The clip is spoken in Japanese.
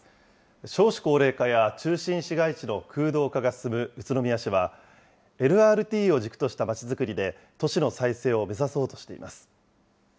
少子高齢化や中心市街地の空洞化が進む宇都宮市は、ＬＲＴを軸としたまちづくりで、都市の再生を目指そうとしています。